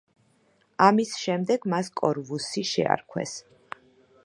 ამის შემდეგ მას კორვუსი შეარქვეს.